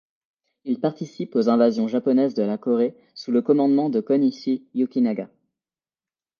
Il participe aux invasions japonaises de la Corée sous le commandement de Konishi Yukinaga.